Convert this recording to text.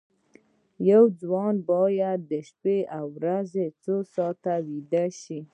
یو ځوان باید په شپه او ورځ کې څو ساعته ویده شي